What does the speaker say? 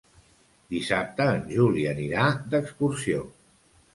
Dissabte en Juli anirà d'excursió.